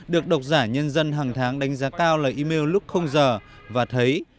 được độc giả nhân dân hàng tháng đánh giá cao là email lúc giờ và thấy